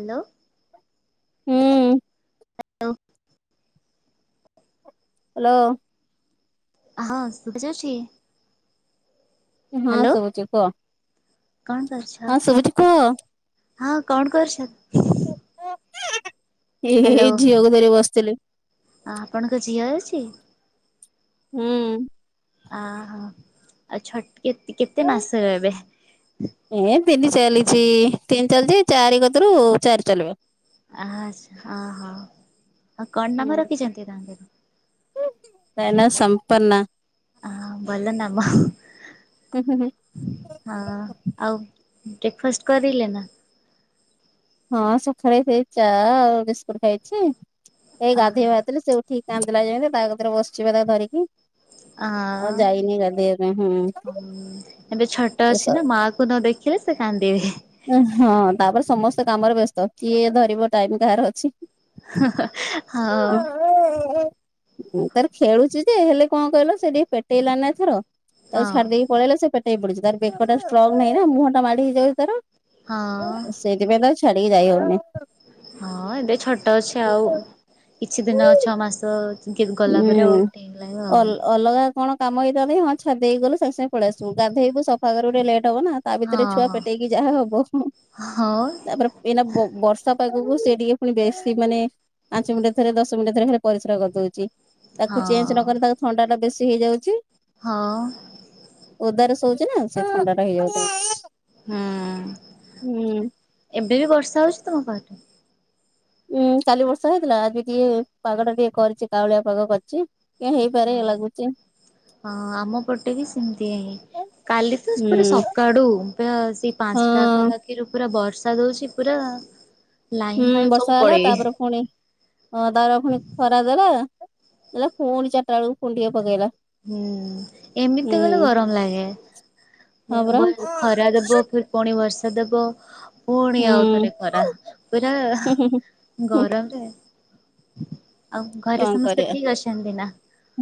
Hello. ହୁଁ। Hello hello. ହଁ ସୁଜୁଛି? ହଁ ଶୁବୁଚି କୁହ। କଣ କରୁଛ, ହଁ ଶୁଭୁଛି କୁହ। ହଁ କଣ କରୁଛ? ଏଇ ହ୍ୟାଲୋ ଝିଅକୁ ଧରିକି ବସିଥିଲି। ଆପଣଙ୍କ ଝିଅ ଅଛି? ହୁଁ। ଅହୋ ଆଉ ଛ କେ କେତେ ମାସରେ ଏବେ? ଏ ତିନି ଚାଲିଚି ତିନି ଚାଲିଚି ଚାରି କତିରୁ ଚାରି ଚାଲିବ। ଆଚ୍ଛା ଅହୋ ଆଉ କଣ ହୁଁ। ନାମ ରଖିଛନ୍ତି ତାଙ୍କର? ତା ନା ସଂପନ୍ନା। ଆ ବଲ ନାମ। ହଁ ହୁଁ ହୁଁ ହୁଁ। ଆଉ ବ୍ରେକଫାଷ୍ଟ କରିଲେ ନା? ହଁ ସକାଳେ ସେ ଚା ଆଉ ବିସ୍କୁଟ ଖାଇଚି ଏଇ ଗାଧେଇବା ସେ ଉଠିକି କାନ୍ଦିଲା ଯେମିତି ତା କତିରେ ବସିଛି ପା ତାକୁ ଧରିକି। ଆ ଆଉ ଯାଇନି ଗାଧେଇବା ପାଇଁ ହୁଁ ଏବେ ଛୋଟ ଅଛି ନା ମା କୁ ନ ଦେଖିଲେ ସେ କାନ୍ଦିବେ ହଁ ତାପରେ ସମସ୍ତେ କାମରେ ବ୍ୟସ୍ତ କିଏ ଧରିବ ଟାଇମ କାହାର ଅଛି। ହଁ ହଁ ହଉ ତାର ଖେଳୁଚି ଯେ ହେଲେ କଣ କହିଲ ସେ ଟିକେ ପେଟେଇଲାନି ନା ଏଥର ହଁ ତାକୁ ଛାଡି ଦେଇକି ପଳେଇଲେ ସେ ପେଟଇ ପଡୁଚି ତାର ବେକଟା ଷ୍ଟ୍ରଙ୍ଗ ନାହିଁ ନା ମୁହଁଟା ମାଡ ହେଇଯାଉଚି ତାର। ହଁ ସେଇଥିପାଇଁ ତାକୁ ଛାଡିକି ଯାଇ ହଉନେଇ। ହଁ ଏବେ ଛୋଟ ଅଛି ଆଉ କିଛି ଦିନ ଛଅ ମାସ [unintelligible] କଲାପରେ ଆଉ ହୁଁ [unintelligible] ପାରିବ ଆଉ। ଅଲଗା କଣ କାମ ହେଇଥାନ୍ତା କି ହଁ ଛାଡି ହେଇକି ଗଲୁ ସାଙ୍ଗେ ସାଙ୍ଗେ ପଳେଇ ଆସିବୁ ଗାଧୋଇବୁ ସଫା କରିବୁ ଟିକେ ଲେଟ୍ ହେବ ନା। ତା ହଁ ଭିତରେ ଛୁଆ ପେଟେଇକି ଯାହା ହବ, ହଁ ତାପରେ ଏଇନା ବ ବର୍ଷା ପାଗକୁ ସେ ଟିକେ ପୁଣି ବେଶୀ ମାନେ ପାଞ୍ଚ ମିନିଟରେ ଥରେ ଦଶ ମିନିଟରେ ଥରେ ଖାଲି ପରିଶ୍ରା କରି ଦଉଚି। ତାକୁ ହଁ ଚେଞ୍ଜ ନ କଲେ ତାକୁ ଥଣ୍ଡା ଟା ବେଶୀ ହେଇଯାଉଚି। ହଁ ଓଦାରେ ଶଉଚି ନା ସେଥିପାଇଁ ଥଣ୍ଡା ଟା ହେଇଯାଉଚି ତାକୁ। ହୁଁ। ଏବେ ବି ବର୍ଷା ହେଉଚି ତୁମ ପଟେ ଉଁ କାଲି ବର୍ଷା ହେଇଥିଲା। ଆଜି ଟିକେ ପାଗ ଟା ଟିକେ କରିଚି କାଉଳିଆ ପାଗ କରିଚି। ହେଇପାରେ ହଉ ଲାଗୁଚି। ହଁ ଆମ ପଟେ ବି ସେମତିୟା ହିଁ। କାଲି ତ ପୁରା ହୁଁ ସକାଡୁ ପ ସେଇ ହଁ ପାଞ୍ଚଟାକୁ ଆ ପୁରା ବର୍ଷା ଦଉଚି ପୁରା ଲାଇନ୍ ହୁଁ ଫାଇନ୍ ସବୁ ବର୍ଷା ହେଲା ପଳେଇ ତାପରେ ପୁଣି ହଁ ତାର ପୁଣି ଖରା ଦେଲା। ପୁଣି ଚାରିଟା ବେଳକୁ ଫୁଣି ଟିକେ ପକେଇଲା। ହୁଁ, ହୁଁ ଏମିତି ଗଲେ ଗରମ ଲାଗେ, ହଁ ପରା ହୁଁ। ଖରା ଦବ ପୁଣି ବର୍ଷା ଦବ, ପୁଣି ଆଉ ଥରେ ଖରା ପୁରା ହୁଁ ହୁଁ ହୁଁ ହୁଁ ଗରମରେ ଆଉ ଘରେ କଣ ସମସ୍ତେ କରିବା ଠିକ ଅଛନ୍ତି ନା?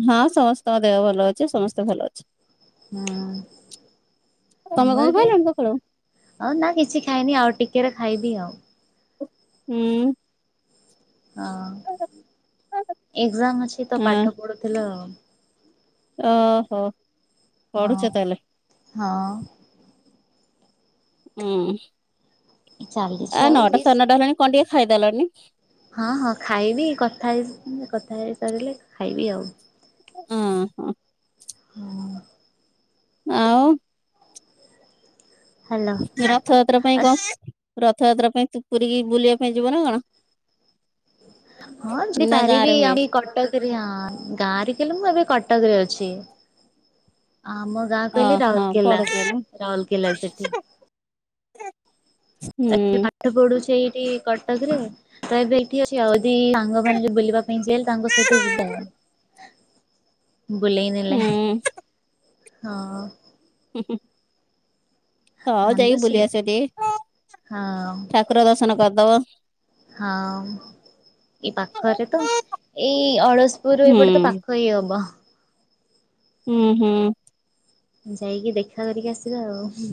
ହଁ ସମସ୍ତଙ୍କ ଦେହ ଭଲ ଅଛି ସମସ୍ତେ ଭଲ ଅଛ। ହୁଁ। ତମେ କଂ ଖଇଲନି ସକାଳୁ? ହଉ ନା କିଛି ଖାଇନି ଆଉ ଟିକେରେ ଖାଇବି ଆଉ। ହୁଁ। ହଁ, ଏକ୍ସାମ ଅଛି ତ ହଁ ପାଠ ପଢୁଥିଲ ଆଉ ଓହୋ ପଢୁଛ ହଁ ତାହେଲେ ହଁ ହୁଁ, ଚାଲିଛି ଆ ଆଉ ନଅଟା ରିସ୍ ସାଢେ ନଅଟା ହେଲାଣି କଁ ଟିକେ ଖାଇଦେଲନି। ହଁ ହଁ ଖାଇବି କଥା ହେଇ କଥା ହେଇସାରିଲେ ଖାଇବି ଆଉ। ଉଁ ହୁଁ। ହୁଁ ଆଉ ହାଲୋ ରଥଯାତ୍ରା ଆ ପାଇଁ କଂ, ରଥଯାତ୍ରା ପାଇଁ ତୁ ପୁରୀକି ବୁଲିଆ ପାଇଁ ଯିବ ନା କଣ? ହଁ ଯଦି ନା ଗାଁ ପାରିବି ରେ ହୁଏ ଆମ କଟକ ହିଁ, ଗାଁରେ କଲେ ମୁଁ ଏବେ କଟକରେ ଅଛି ଆମ ଗାଁ କହିଲେ ଓହୋ ରାଉରକେଲା, ପଢୁଥିଲୁ ରାଉରକେଲା ସେଠି ହୁଁ ପାଠ ପଢୁଛି ଏଇଠି କଟକରେ ତ ଏବେ ଅଛି ଆଉଦି ସାଙ୍ଗମାନେ ଯଦି ବୁଲିବା ପାଇଁ ଯିବା କହିଲେ ତାଙ୍କ ସହିତ ଯିବା ବୁଲେଇନଲେ ହୁଁ ହଁ ହୁଁ ହୁଁ ହଉ ଯାଇକି କାନ୍ଦୁଛି ବୁଲି ଆସ ଟିକେ ହଁ ଠାକୁର ଦର୍ଶନ କରିଦବ। ହଁ, ଏଇ ପାଖରେ ତ ଏଇ ଅଳସପୁରୁ ହୁଁ ଏପଟେ ତ ପା ଖ ହିଁ ହବ। ହୁଁ ହୁଁ ଯାଇକି ଦେଖା କରିକି ଆସିବା ଆଉ।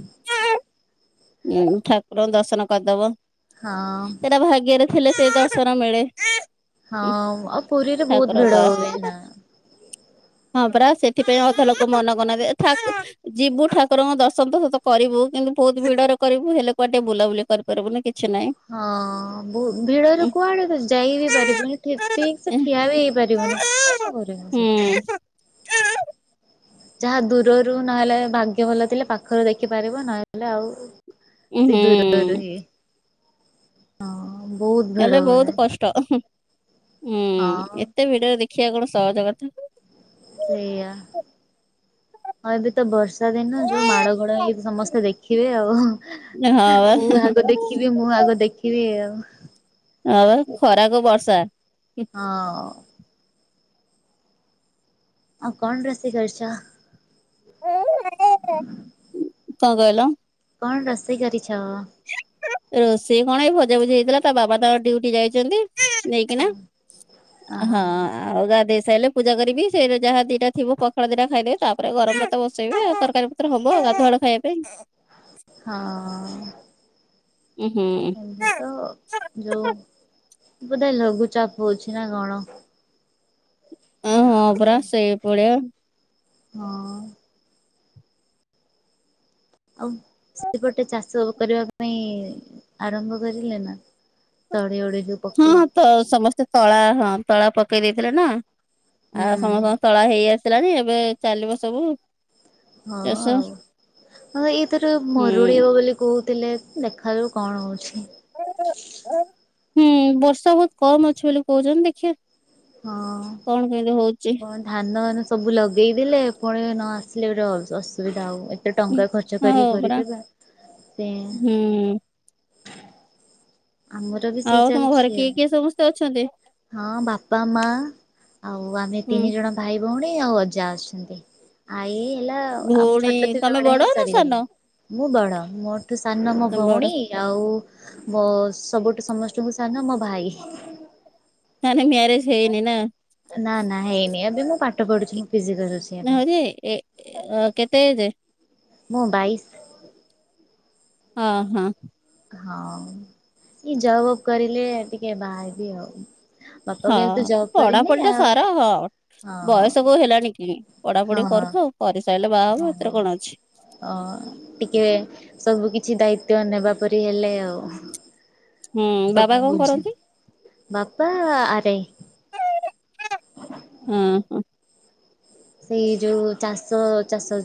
ହୁଁ ଠାକୁରଙ୍କୁ ଦର୍ଶନ କରିଦବ ହଁ ସେଟା ଭାଗ୍ୟରେ ଥିଲେ ସେ ଦର୍ଶନ ମିଳେ। ହଁ ଆଉ ପୁରୀରେ ବହୁତ ଭିଡ ଠାକୁରଙ୍କର ହୁଏ ନା। ହଁ ପରା ସେଥିପାଇଁ ଅଧା ଲୋକ ମନ କରୁନାହାନ୍ତି। ଏଥାକ - - ଯିବୁ ଠାକୁରଙ୍କ ଦର୍ଶନ ଦସତ କରିବୁ କିନ୍ତୁ ବହୁତ ଭିଡରେ କରିବୁ ହେଲେ କୁଆଡେ ବୁଲାବୁଲି କରି ପାରିବୁନି କିଛି ନାହିଁ। ହଁ ଭୁ ଭିଡରେ କୁଆଡେ ତ ଯାଇ ବି ପାରିବୁନି। ଠିକ୍ ଠିକସେ ଠିଆ ବି ହେଇପାରିବୁନି। କଁ କରିବ ହୁଁ, ସେ। ଯାହା ଦୂରରୁ ନହେଲେ ଭାଗ୍ୟ ଭଲ ଥିଲେ ପାଖରୁ ଦେଖିପାରିବ ନହେଲେ ଆଉ ଉଁ ସେ ହୁଁ ଦୂରରୁହିଁ ହଁ ବହୁତ ଭିଡ ହେଲେ ବହୁତ୍ ହୁଏ କଷ୍ଟ ହୁଁ ହୁଁ ହଁ ଏତେ ଭିଡ଼ରେ ଦେଖିବା କଣ ସହଜ କଥା। ସେଇଆ। ହଁ ଏବେତ ବର୍ଷା ଦିନ ହଁ ଯୋଉ ମାଡ଼ ଗୋଳ ହେଇ ସମସ୍ତେ ଦେଖିବେ ଆଉ। ହଁ ବା ହୁଁ ହୁଁ। ଯିବି ମୁଁ ଆଗ ଦେଖିବି ଆଉ। ହଁପା ଖରାକୁ ବର୍ଷା। ହଁ। ଆଉ କଣ ରୋଷେଇ କରିଚ? କଁ କହିଲ? କଣ ରୋଷେଇ କରିଛ? ରୋଷେଇ କଣ ଏଇ ଭଜାଭୁଜି ହେଇଥିଲା ତା ବାବାତ ଡିଉଟି ଯାଇଚନ୍ତି। ନେଇକିନା ହଁ। ହଁ ଆଉ ଯାହା ଗାଧେଇ ସାଇଲେ ପୂଜା କରିବି ସେ ଯାହା ଦିଟା ଥିବ ପଖାଳ ଦିଟା ଖାଇଦେବି ତାପରେ ଗରମଭାତ ବସେଇବି ଆଉ ତରକାରୀ ହବ ଗାଧୁଆବେଳ ଖାଇବା ପାଇଁ। ହଁ ଅ ଅ। ଉଁ ହୁଁ। ଏବେତ ଯୋଉ ବୋଧେ ଲଘୁଚାପ ହୋଉଚିନା କଣ। ଅଁ ହଁ ପରା ସେଇ ଭଳିଆ। ହଁ। ଆଉ ସେଇପଟେ ଚାଷ କରିବା ପାଇଁ ଆରମ୍ଭ କରିଲେନା? ହଁ ତ ସମସ୍ତେ ତଳା ହଁ ତଳା ପକେଇ ଦେଇଥିଲେ ନା ହୁଁ ଆଉ ସମସ୍ତ ଙ୍କ ତଳା ହେଇ ଆସିଲାଣି ଏବେ ଚାଲିବ ସବୁ ହଁ ଚାଷ ଆଉ, ହଁ ଏଇଥର ମରୁଡ଼ି ହବ ହୁଁ। ବୋଲି କହୁଥିଲେ ଦେଖାଯାଉ କଣ ହେଉଚି। ହୁଁ ବର୍ଷା ବହୁତ୍ କମ୍ ଅଛି ବୋଲି କହୁଚନ୍ତି ଦେଖିଇ। ହଁ। କଣ କେମିତି ହଉଚି। କଣ ଧାନ ଏନେସବୁ ଲଗେଇଦେଲେ ପୁଣି ନଆସିଲେ ଗୋଟେ ଅସୁବିଧା ହୁଏ। ଏତେ ହୁଁ। ଟଙ୍କା ଖର୍ଚ୍ଚ କରିକି ହଁ ପରା କରିଥିଲା ସେ ହୁଁ ଆମର ବି ସେଇ ଆଉ ତମ ଘରେ ଚାଲିଛି କିଏ ଆଉ। କିଏ ସମସ୍ତେ ଅଛନ୍ତି? ହଁ ବାପା ମା ଆଉ ଆମେ ହୁଁ ତିନି ଜଣ ଭାଇ ଭଉଣୀ ଆଉ ଅଜା ଆସିଛନ୍ତି। ଆଇ ହେଲା ଆମେ ଭଉଣୀ ଛୋଟ ଥିଲା ତମେ ବେଳେ ବଡ ହିଁ ନା ସାନ ସରିଗଲେ। ମୁଁ ବଡ଼ ମୋ ଠୁ ସାନ ମୋ ତମେ ଭଉଣୀ ବଡ ଆଉ ମୋ ସବୁଠୁ ସମସ୍ତଠୁ ସାନ ମୋ ଭାଇ। ତାହେନେ ମ୍ୟାରେେଜ୍ ହେଇନିନା? ନା ନା ହେଇନି ଏବେ ମୁଁ ପାଠ ପଢୁଚି ମୁଁ ଫିଜିକାଲ ଅଛି। ନାଇଁରେ ଯେ ଏ କେତେ ଏଜ୍? ମୁଁ ବାଇକ୍ ହଁ ହଁ। ହଁ ଇ ଜବ୍ ଫବ୍ କରିଲେ ଟିକେ ବାହାହେବି ଆଉ। ବାପା ହଁ କହିଲେ ତୁ ଜବ୍ କରିନି ପଢାପଢିଟା ଆଉ ସାରା ହଁ ହଁ ବୟସ କୋଉ ହେଲଣିକି ହଁ ପଢାପଢି କରୁଥାଉ। ହଁ କରିସାରିଲେ ବାହା ହବୁ ସେଥିରେ ହଁ। କଣ ଅଛି? ଅ। ଟିକେ ସବୁ କିଛି ଦାୟିତ୍ୱ ନେବା ପରି ହେଲେ ଆଉ। ହୁଁ ବାବା ସବୁ କଣ ବୁଝ କରନ୍ତି? ବାପା ଆରାଇ। ହଁ ହଁ। ସେଇ ଯୋଉ ଚାଷ ଚାଷ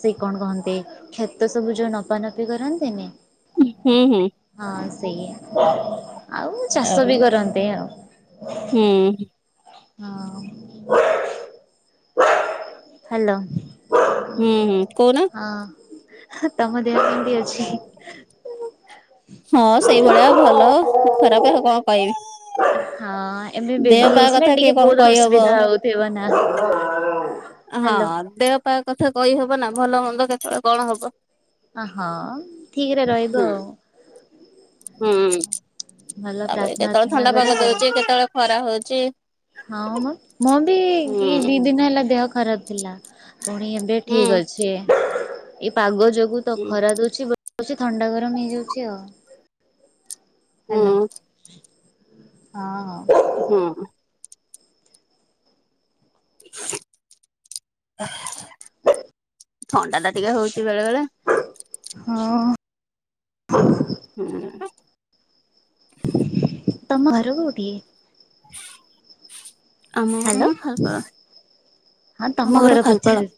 ସେ କଣ କହନ୍ତି? କ୍ଷେତ ସବୁ ଯୋଉ ମପା ମପି କରନ୍ତିନି। ହୁଁ ହୁଁ। ହଁ ସେଇଆ ଆଉ ଚାଷ ବି କରନ୍ତି ଆଉ। ହୁଁ। ହଁ ହାଲୋ। ହୁଁ ହୁଁ କହୁନ। ଅଁ ତମ ଦେହ କେମିତି ଅଛି? ହଁ ସେଇଭଳିଆ ଭଲ ଖରାପ କଣ କହିବି? ହଁ ଏବେ ଦେହ ବେବି ପା ହେଇଛିନା କଥା କିଏ ଟିକେ କଣ ବହୁତ କହିହବ। ଅସୁବିଧା ହଉଥିବ ନା। ହ୍ୟାଲୋ ହଁ ଦେହ ପା କଥା କହିହବ ନା ଭଲ ମନ୍ଦ କେତେବେଳେ କଣ ହବ? ଅହଁ ଠିକରେ ହୁଁ। ରହିବ ଆଉ। ହୁଁ ଭଲ ତାପରେ ପ୍ରାର୍ଥନା କେତେବେଳେ ପ୍ରାର୍ଥନା ଥଣ୍ଡା କର ପାଗ ଆଉ ଦଉଛି କେତେବେଳେ ଖରା ହଉଛି। ହଁ ମଁ ମୁଁ ବି ହୁଁ ଦି ଦିନ ହେଲା ଦେହ ଖରାପ ଥିଲା ପୁଣି ଏବେ ହୁଁ ଠିକ ଅଛି। ଏ ପାଗ ଯୋଗୁ ତ ହୁଁ ଖରା ଦଉଚିବୋଲି। ଥଣ୍ଡା ଗରମ ହେଇଯାଉଛି ଆଉ ହୁଁ। ହାଲୋ। ହଁ ହଁ। ହୁଁ। ଥଣ୍ଡା ଟା ଟିକେ ହଉଛି ବେଳେ ବେଳେ ହଁ। ହୁଁ। ତମ ଘର କୋଉଠି? [unintelligible] ଘର ହ୍ୟାଲୋ ନା ଖାଲପାଳ ହଁ ଆମ ତମ ଘର ଖାଲପାଳ ପଚାରୁଛି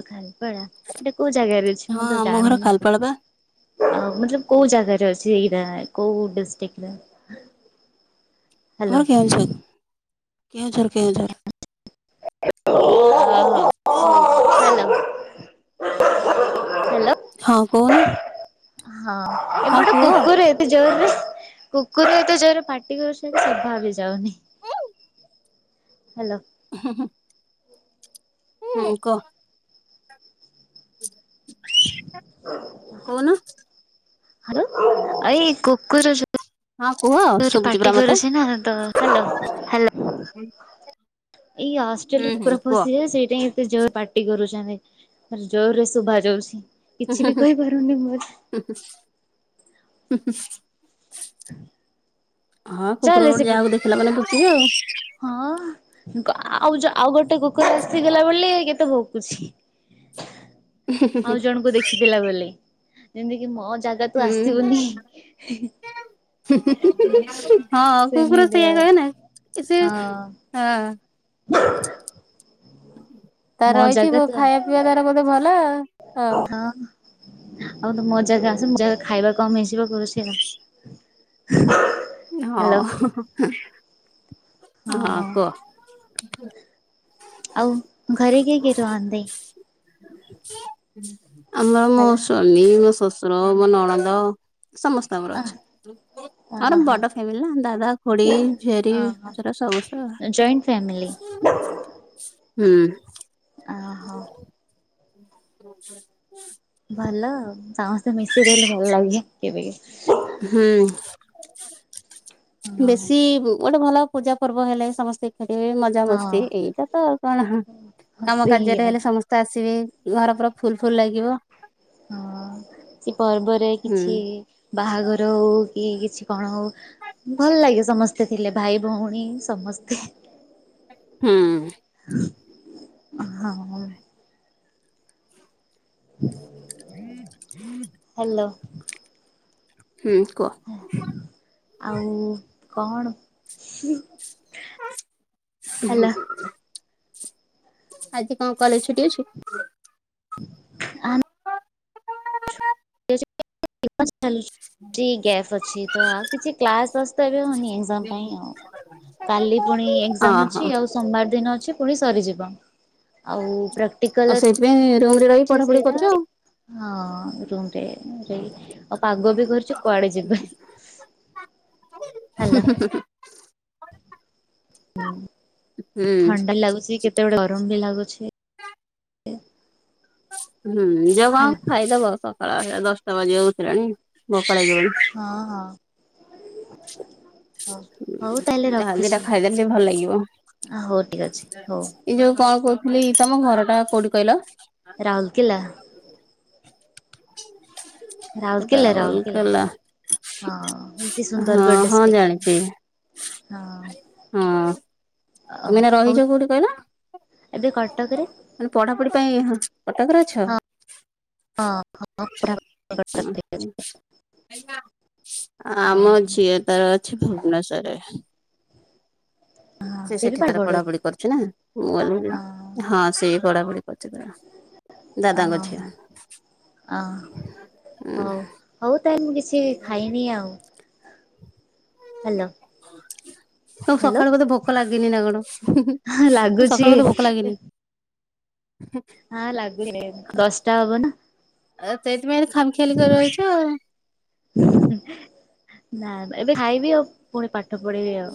ଓ ଖାଲପାଳ। ଏଇଟା କୋଉ ଜାଗାରେ ଅଛି ହଁ ମୁଁ ତ ଆମ ଘର ଜାଣିନି। ଖାଲପାଳ ବା ମତଲବ କୋଉ ଜାଗାରେ ଅଛି ଏଇରା କୋଉ ଡିଷ୍ଟ୍ରିକି ର? [unintelligible] ଆମର କେଉଁଝର କେଉଁଝର କେଉଁଝର। ଓ ହ ହୋ ହଲ [inaudible] ହାଲେ। ହଁ କହୁନ। ହଁ ଏବେ ହଁ ଗୋଟେ କୁହ କୁକୁର ଜୋରରେ କୁକୁରଏତେଜୋରରେ ପାଟି କରୁଛନ୍ତି ସଭା ବି ଯାଉନି। ହ୍ୟାଲୋ। ହୁଁ ହୁଁ। ହୁଁ କହ? କହୁନ। ହାଲୋ ଆଇ କୁକୁର ହଁ କୁହ ଜୋରରେ ଶୁଭୁଛି ପରା ପାଟି ମତେ କରୁଛି ନା ତ ହାଲୋ ହୁଁ ଏଇ ଅଷ୍ଟେଲରୁ କୁକୁର ହୁଁ କୁହ ପଶିଯାଏ ସେଇଟା ହିଁ ସେ ଜୋର ପାଟି କରୁଛନ୍ତି ଜୋରରେ ଶୁଭା ଯାଉଛି କିଛି ବି କହିପାରୁନି ମୁଁ ଏତେ ହୁଁ ହୁଁ ହୁଁ ହୁଁ ହୁଉ ହଁ କୁକୁର ଗୋଟେ ଯାହାକୁ ଦେଖିଲା ମାନେ ଭୁକିବେ ଆଉ ହଁ ଆଉ ଆଉ ଗୋଟେ କୁକୁର ଆସିଗଲା ବୋଲି ଏତ ଭୁକୁଛି ଆଉ ଜଣଙ୍କୁ ଦେଖିଥିଲା ବୋଲି ଯେମିତି କି ମୋ ଜାଗା ଆସିବୁନି ହିଁ ହିଁ ହୁଁ ହୁଁ ହୁଁ ହୁଁ ହୁଁ ହଁ କୁକୁର ସେମିତି ସେଇଆ ଆଉ କହେ ନା ସେ ହଁ। ହଁ ତାର ମୋ ଜାଗା ରହିଛିି ତୁ ଖାଇବା ଦେହ ତାର ବୋଧେ ଭଲ ହଁ ହଁ ଆଉ ତ ମୋ ଜାଗା ଆସ ମୁ ଜାଗ ଖାଇବା କମିଯିବ କହୁଛି ହୁ ହୁ ହଁ ହଁ କୁଅ ଟୁ ଟୁ ଆଉ ଘରେ କିଏ କିଏ ରୁହନ୍ତି ଆମର ମୋ ହେଲା ସ୍ବା ମି ମୋ ଶ୍ୱଶୁର ମୋ ନଣନ୍ଦ ସମସ୍ତେ ଆମର ଅଛୁ ଓହୋ ଆମର ବଡ଼ ଫ୍ୟାମିଲି ନା ଦାଦା ଖୁଡ଼ି ଝିଆରୀ ଓହୋ ସମସ୍ତେ ଜଏଣ୍ଟ ଫ୍ୟାମିଲି ହୁଁ ଓହୋ ମେଭେଲେ ଭଲ ଆଉ ସମସ୍ତେ ମିଶିରହିଲେ ଭଲ ଲାଗେ କେବେ ହୁଁ ହଁ ବେଶୀ ଗୋଟେ ଭଲ ପୂଜା ପର୍ବ ହେଲେ ସମସ୍ତେ ଏକାଠି ହେବେ ମ ମଜା ମସ୍ତି ହଁ ଏଇଟା ତ କଣ କାମ ସେଇଆ କାର୍ଯ୍ୟରେ ହେଲେ ସମସ୍ତେ ତ ଆସିବେ ଘର ପୁରା ଫୁଲ୍ ଫୁଲ୍ ଲାଗିବ ହଁ କିଛି ପର୍ବରେ ହୁଁ। କିଛି ବାହାଘର ହଉ କି କିଛି କଣ ହଉ ଭଲ ଲାଗେ ସମସ୍ତେ ଥିଲେ ଭାଇ ଭଉଣୀ ସମସ୍ତେ ହୁଁ ହଁ ହୁଁ ହୁ ହୁ ହାଲୋ ହୁଁ କୁଅ ଆଉ କଣ ହୁଁ ହୁଁ ହୁଁ ଆଜି କଣ କଲେଜ୍ ଛୁଟି ଅଛି ଆନ୍ ପେପର ଚାଲି ଟିକେ ଗ୍ୟାପ୍ ଅଛି ତ ଆଉ କିଛି କ୍ଲାସ୍ ଫାସ୍ ତ ଏବେ ହଉନି ଏଜାମ୍ ପାଇଁ ଆଉ କାଲି ପୁଣି ଏକ୍ଜାମ୍ ଓହୋ ଅଛି ଆଉ ସୋମବାର ଦିନ ଅଛି ପୁଣି ସରିଯିବ ଆଉ ପ୍ରାକ୍ଟିକାଲ୍ ଅଛି ସେଥିପାଇଁ ରୁମ୍ ରେ ରହି ସେ ପଢ଼ାପଢ଼ି ସେଇଟା କରଚୁ ଆଉ ହଁ ରୁମ୍ ରେ ଆଉ ପାଗ ବି କରୁଚି କୁଆଡ଼େ ଯିବି ହୁଁ ହୁଁ ହୁଁ ହଁ ହୁଁ। ଥଣ୍ଡା ଲାଗୁଛି କେତେବେଳେେ ଗରମ ବି ଲାଗୁଛି ହୁଁ ଯଅ କଣ ହେଲା ଖାଇଦବ ସକାଳ ଦଶଟା ବାଜିବାକୁ ବସିଲାଣି ଭୋକଲାଗିବଣି। ହଁ ହଁ। ହଉ, ହଉ ତାହେଲେ ଯାହା ଦିଟା ରଖୁଛି, ଖାଇଦେଲେ ଟିକେ ଭଲ ଲାଗିବ ହଉ ଠିକ୍ ଅଛି ହଉ। ଏଇ ଯୋଉ କଣ କହୁଥିଲି ତମ ଘରଟା କୋଉଠି କହିଲ? ରାଉଲକେଲା। [inaudible] ରାଉଲକେଲା, ରାଉଲକେଲା। ରାଉରକେଲା ହଁ ଏଇ ସେ ହଁ ସୁନ୍ଦରଗଡ଼ ହଁ ଡିଷ୍ଟ୍ରିକର ଜାଣିଛି ହଁ। ହଁ, ତମେ ଏଇନା ହଉ ରହିଛ କୋଉଠି କହିଲ? ଏବେ କଟକରେ ମାନେ ପଢାପଢି ପାଇଁ ହଁ କଟକରେ ଅଛ? ହଁ ହଁ ଆମ ଝିଅ ତାର ଅଛି ଭୁବନେଶ୍ଵରରେ। ସେ ଦେବି ସେଠି ପାଠ ତାର ପଢୁଛି ପଢ଼ାପଢି କରୁଛି ନା, ଅ [unintelligible] ହଁ ସେ ପଢ଼ାପଢି କରୁଛି ତାର। ଦାଦାଙ୍କ ଝିଅ। ଅ [unintelligible] ହଉ, ହଉ ତାହେଲେ ମୁଁ କିଛି ଖାଇନି ଆଉ। ହାଲୋ। ତମକୁ ସକାଳୁ ବୋଧେ ଭୋକ ଲାଗିନି ନା କଣ ହୁଁ ହୁଁ ସକାଳୁ ଲାଗୁଛି ବୋଧେ ଭୋକ ଲାଗିନି। [inaudible] ହଁ ଲାଗିନେଇ ଦଶଟା ହବ ନା। ଅ ସେଇଥିପାଇଁ ଏତେ ଖାମ୍ ଖିଆଲି କରି ରହିଛ। ନାଁ ନାଁ ଏବେ ଖାଇବି ଆଉ ପୁଣି ପାଠ ପଢ଼ିବି ଆଉ।